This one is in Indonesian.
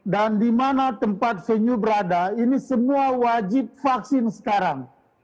dan di mana tempat venue berada ini semua wajib vaksin sekarang